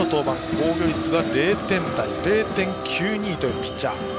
防御率は０点台０．９２というピッチャー。